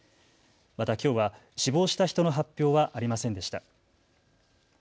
またきょうは死亡した人の発表はありませんでした。